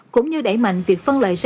cũng như đẩy mạnh việc phân lợi